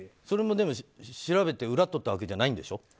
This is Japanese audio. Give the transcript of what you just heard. それも調べて裏とったわけじゃないんでしょ。